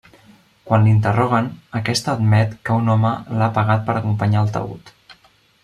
Quan l'interroguen, aquesta admet que un home l'ha pagat per acompanyar el taüt.